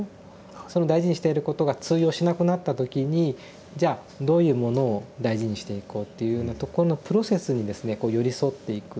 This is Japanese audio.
その大事にしていることが通用しなくなった時にじゃあどういうものを大事にしていこうっていうようなとこのプロセスにですねこう寄り添っていく。